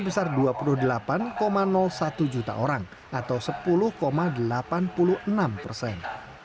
pada periode maret dua ribu enam belas sebesar dua puluh delapan satu juta orang atau sepuluh delapan puluh enam persen